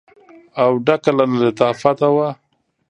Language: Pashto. او ډکه له لطافت وه.